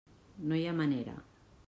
No hi ha manera.